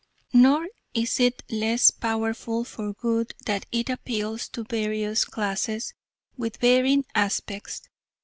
Nor is it less powerful for good that it appeals to various classes with varying aspects.